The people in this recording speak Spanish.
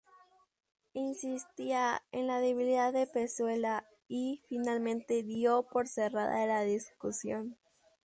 Insistía en la debilidad de Pezuela y, finalmente, dio por cerrada la discusión.